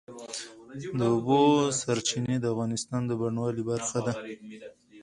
د اوبو سرچینې د افغانستان د بڼوالۍ برخه ده.